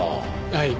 はい。